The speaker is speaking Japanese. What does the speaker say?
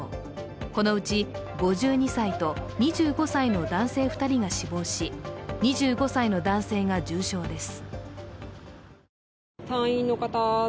このうち５２歳と２５歳の男性２人が死亡し、２５歳の男性が重傷です。